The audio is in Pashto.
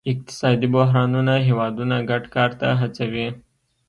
اقتصادي بحرانونه هیوادونه ګډ کار ته هڅوي